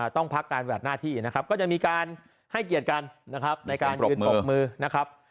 ต้องพักการปฏิบัติหน้าที่นะครับก็จะมีการให้เกียรติกันนะครับในการยืนปรบมือนะครับ